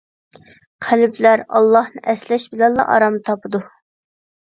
قەلبلەر ئاللاھنى ئەسلەش بىلەنلا ئارام تاپىدۇ.